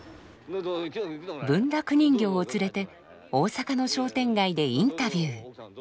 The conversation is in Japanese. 文楽人形を連れて大阪の商店街でインタビュー。